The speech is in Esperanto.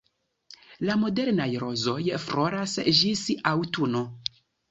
La modernaj rozoj floras ĝis aŭtuno.